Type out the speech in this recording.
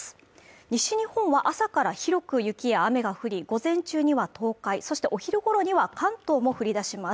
西日本は朝から広く雪や雨が降り午前中には東海そしてお昼ごろには関東も降り出します